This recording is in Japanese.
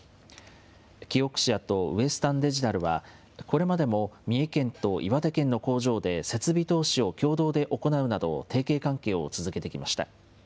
キオクシアとウエスタンデジタルは、これまでも三重県と岩手県の工場で設備投資を共同で行うなど、提携関係を続けてきました。